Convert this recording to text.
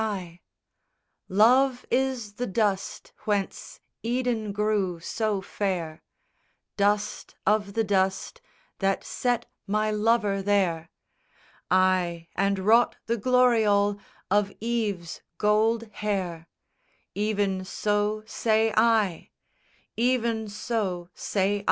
VI Love is the dust whence Eden grew so fair, Dust of the dust that set my lover there, Ay, and wrought the gloriole of Eve's gold hair, Even so say I; Even so say I.